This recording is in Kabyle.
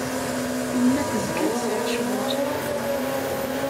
Yemma tezga tesɛa ccɣel.